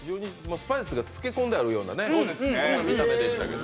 スパイスが漬け込んであるような見た目でしたけど。